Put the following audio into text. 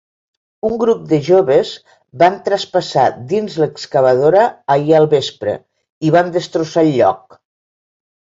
Un grup de joves van traspassar dins l'excavadora ahir al vespre i van destrossar el lloc.